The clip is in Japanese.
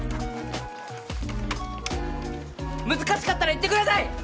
難しかったら言ってください！